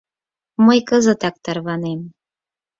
— Мый кызытак тарванем.